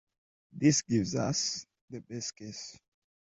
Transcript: This gives us the base case.